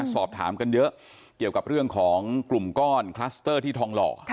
สอบถามกันเยอะเกี่ยวกับเรื่องของกลุ่มก้อนคลัสเตอร์ที่ทองหล่อ